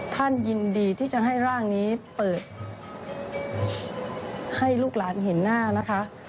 ท่านยินดีที่จะให้ร่างนี้เปิดให้ลูกหลานเห็นหน้านะคะ